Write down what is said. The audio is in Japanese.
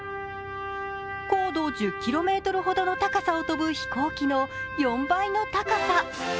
高度１０ｋｍほどの高さを飛ぶ４倍の高さ。